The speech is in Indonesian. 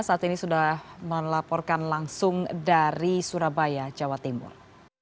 saat ini sudah melaporkan langsung dari surabaya jawa timur